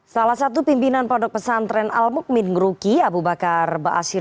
salah satu pimpinan produk pesantren al muqmin ngruki abu bakar ba'asyir